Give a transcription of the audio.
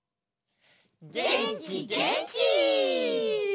げんきげんき！